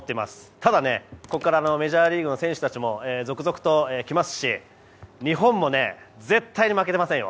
ただ、ここからメジャーリーグの選手たちも続々と来ますし日本も絶対に負けていませんよ。